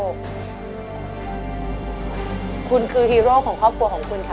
คุณคือฮีโร่ของครอบครัวของคุณคะ